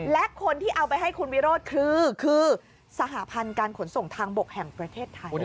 และคนที่เอาไปให้คุณวิโรธคือคือสหพันธ์การขนส่งทางบกแห่งประเทศไทย